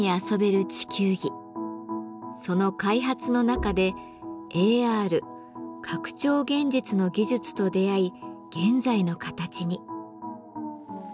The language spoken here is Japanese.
その開発の中でＡＲ拡張現実の技術と出会い現在の形に。